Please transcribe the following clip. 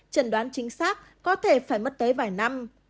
trần đoán chính xác có thể phải mất tới vài năm